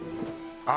あ